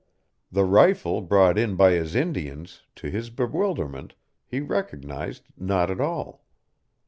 The rifle brought in by his Indians, to his bewilderment, he recognized not at all.